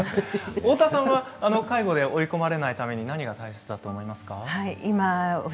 太田さんは追い込まれないために何が大切だと思いますか。